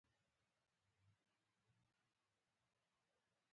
منډه د ذهن تیروتنې اصلاح کوي